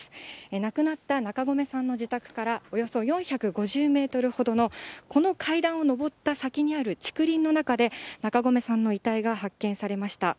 亡くなった中込さんの自宅からおよそ４５０メートルほどの、この階段を上った先にある竹林の中で、中込さんの遺体が発見されました。